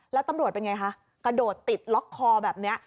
แล้วตำรวจเป็นไงคะกระโดดติดล็อกคอแบบนี้